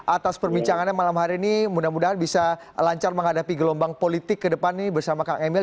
atas perbincangannya malam hari ini mudah mudahan bisa lancar menghadapi gelombang politik ke depan nih bersama kang emil